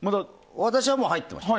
私はもう入っていました。